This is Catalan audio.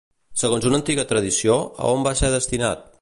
Segons una antiga tradició, a on va ser destinat?